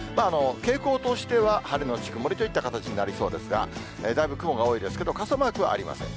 傾向としては、晴れ後曇りといった形になりそうですが、だいぶ雲が多いですけど、傘マークはありません。